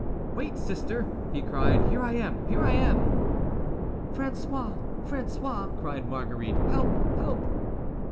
"Wait, sister!" he cried; "here I am, here I am!" "François! François!" cried Marguerite; "help! help!"